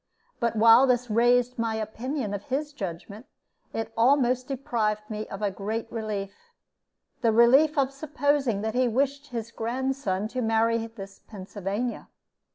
But while this raised my opinion of his judgment, it almost deprived me of a great relief the relief of supposing that he wished his grandson to marry this Pennsylvania.